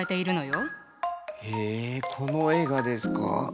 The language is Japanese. へえこの絵がですか？